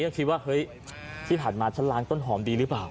คิดว่าเฮ้ยที่ผ่านมาฉันล้างต้นหอมดีหรือเปล่า